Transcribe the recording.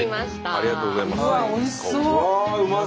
ありがとうございます！